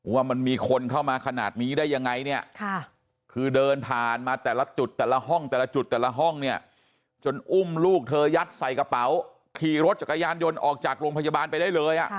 ว่ามันมีคนเข้ามาขนาดนี้ได้ยังไงเนี่ยคือเดินผ่านมาแต่ละจุดแต่ละห้องแต่ละจุดแต่ละห้องเนี่ยจนอุ้มลูกเธอยัดใส่กระเป๋าขี่รถจักรยานยนต์ออกจากโรงพยาบาลไปได้เลย